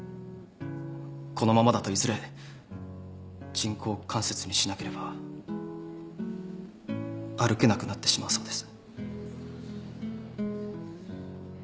このままだといずれ人工関節にしなければ歩けなくなってしまうそうです。